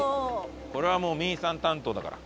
これはもう未唯さん担当だから。